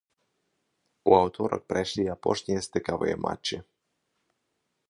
У аўторак прайшлі апошнія стыкавыя матчы.